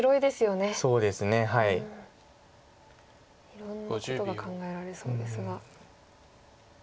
いろんなことが考えられそうですが。